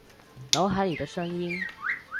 脑海里的声音